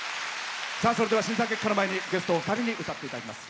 審査結果の前にゲストお二人に歌っていただきます。